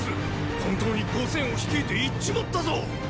本当に五千を率いて行っちまったぞ！